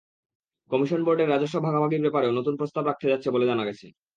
Commission বোর্ডের রাজস্ব ভাগাভাগির ব্যাপারেও নতুন প্রস্তাব রাখতে যাচ্ছে বলে জানা গেছে।